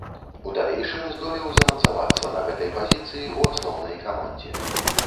У далейшым здолеў замацавацца на гэтай пазіцыі ў асноўнай камандзе.